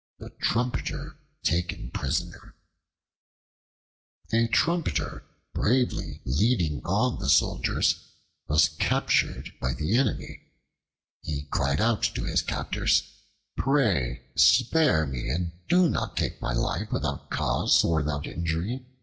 The Trumpeter Taken Prisoner A TRUMPETER, bravely leading on the soldiers, was captured by the enemy. He cried out to his captors, "Pray spare me, and do not take my life without cause or without inquiry.